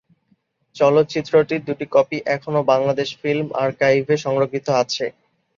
চলচ্চিত্রটির দুটি কপি এখনো বাংলাদেশ ফিল্ম আর্কাইভে সংরক্ষিত আছে।